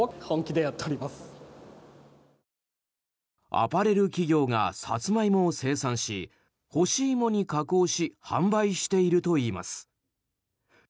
アパレル企業がサツマイモを生産し干し芋に加工し販売しているといいます。